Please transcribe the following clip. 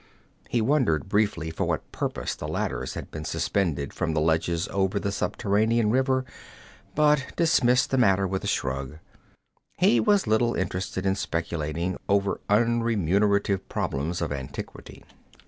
He wondered briefly for what purpose the ladders had been suspended from the ledges over the subterranean river, but dismissed the matter with a shrug. He was little interested in speculating over unremunerative problems of antiquity.